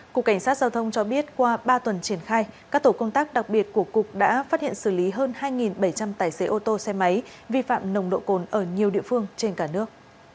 cục cảnh sát giao thông cho biết qua ba tuần triển khai các tổ công tác đặc biệt của cục đã phát hiện xử lý hơn hai bảy trăm linh tài xế ô tô xe máy vi phạm nồng độ cồn ở nhiều địa phương trên cả nước